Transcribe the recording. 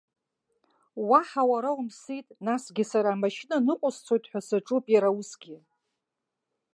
Уаҳа уара умсит, насгьы сара амашьына ныҟәысцоит ҳәа саҿуп, иара усгьы.